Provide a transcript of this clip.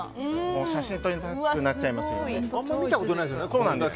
写真撮りたくなっちゃいますよね。